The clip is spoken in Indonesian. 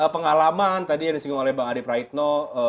pengalaman tadi yang disinggung oleh bang adip raitno